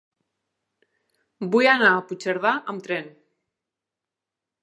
Vull anar a Puigcerdà amb tren.